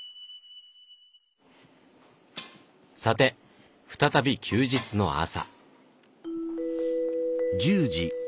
さて再び休日の朝。